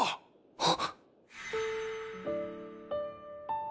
あっ。